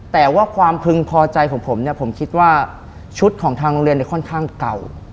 แต่ว่าความพึงพอใจของผมเนี่ยผมคิดว่าชุดของทางโรงเรียนเนี่ยค่อนข้างเก่า